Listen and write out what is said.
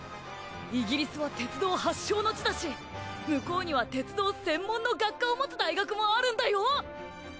イギリスは鉄道発祥の地だし向こうには鉄道専門の学科を持つ大学もあるんだよ！